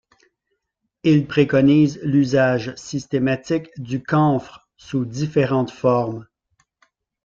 Il préconise l’usage systématique du camphre sous différentes formes.